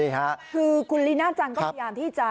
ใช่ค่ะคือคุณลีน่าจังก็พยายามที่จะ